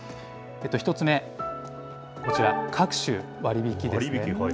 １つ目、こちら、各種割引ですね。